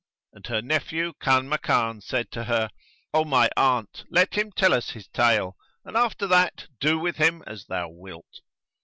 And her nephew Kanmakan said to her, "O my aunt, let him tell us his tale, and after that do with him as thou wilt."